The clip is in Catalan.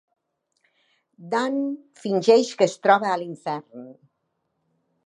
Dant fingeix que es troba a l'infern.